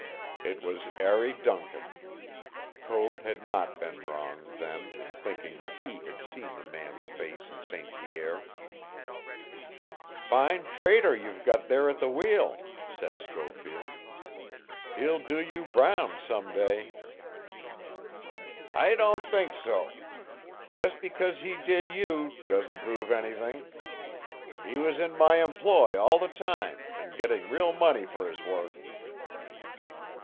It was 'Arry Duncan. Code had not been wrong, then, in thinking that he had seen the man's face in St. Pierre. "Fine traitor you've got there at the wheel," said Schofield. "He'll do you brown some day." "I don't think so. Just because he did you, doesn't prove anything. He was in my employ all the time, and getting real money for his work."